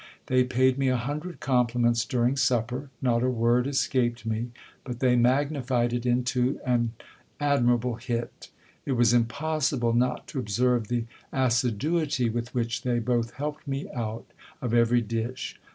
They paid me a hundred compli ments during supper. Not a word escaped me, but they magnified it into an admirable hit ! It was impossible not to observe the assiduity with which they both helped me out of every dish.